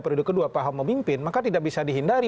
periode kedua pak ahok memimpin maka tidak bisa dihindari